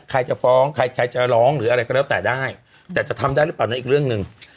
ใครจะฟ้องใครใครจะร้องหรืออะไรก็แล้วแต่ได้แต่จะทำได้หรือเปล่านั้นอีกเรื่องหนึ่ง